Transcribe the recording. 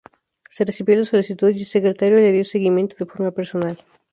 Se recibió la solicitud y el secretario le dio seguimiento de forma personal.